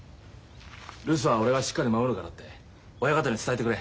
留守は俺がしっかり守るからって親方に伝えてくれ。